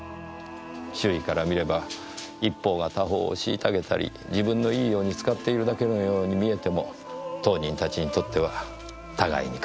周囲から見れば一方が他方を虐げたり自分のいいように使っているだけのように見えても当人たちにとっては互いに欠く事の出来ない